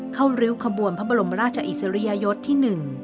ริ้วขบวนพระบรมราชอิสริยยศที่๑